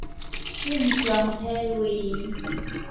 正常體位